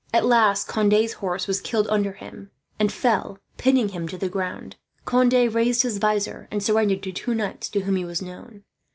At last Conde's horse was killed under him and fell, pinning him to the ground. Conde raised his visor, and surrendered to two knights to whom he was known.